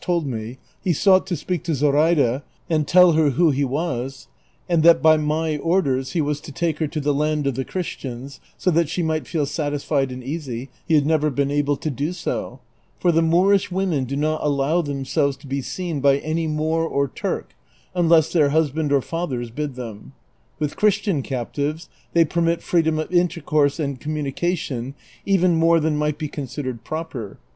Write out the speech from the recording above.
told me, he sought to speak to Zoraida, and tell hei" who he was, and that by my orders he was to take her to the land of the Christians, so that she might feel satisfied and easy, he had never been able to do so ; for the jNIoorish women do not allow themselves to be seen by any Moor or Turk, unless their husband or fathers bid them : with Christian captives they permit freedom of intercourse and communication, even more than might be considered proper.